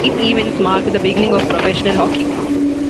These events marked the beginning of professional hockey.